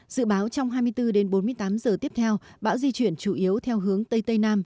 dự báo trong hai mươi bốn đến bốn mươi tám giờ tiếp theo bão di chuyển chủ yếu theo hướng tây tây nam